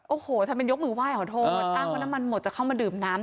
โอ้โหทำเป็นยกมือไหว้ขอโทษอ้างว่าน้ำมันหมดจะเข้ามาดื่มน้ำ